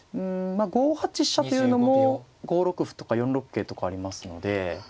５八飛車というのも５六歩とか４六桂とかありますので。